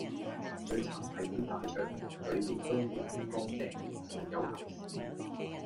最慘係啲大腸，裡面都未通乾淨，重有嚿屎